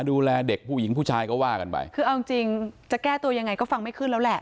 ดูแลเด็กผู้หญิงผู้ชายก็ว่ากันไป